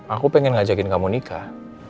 aku pengen ngajakin kamu nikah